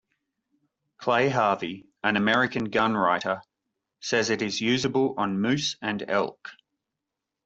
Clay Harvey, an American gun writer, says it is usable on moose and elk.